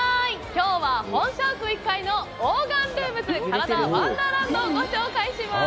今日は、本社屋１階のオーガンルームズカラダワンダーランドをご紹介します。